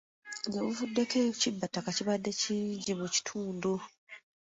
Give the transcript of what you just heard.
Ggye buvuddeko ekibbattaka kibadde kingi mu kitundu.